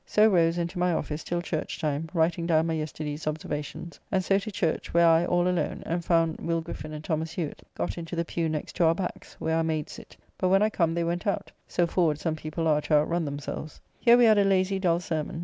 So rose and to my office till church time, writing down my yesterday's observations, and so to church, where I all alone, and found Will Griffin and Thomas Hewett got into the pew next to our backs, where our maids sit, but when I come, they went out; so forward some people are to outrun themselves. Here we had a lazy, dull sermon.